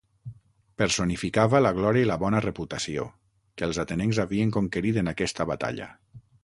Personificava la glòria i la bona reputació, que els atenencs havien conquerit en aquesta batalla.